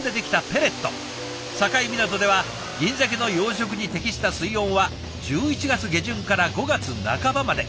境港ではギンザケの養殖に適した水温は１１月下旬から５月半ばまで。